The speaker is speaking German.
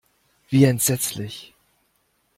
Wie entsetzlich!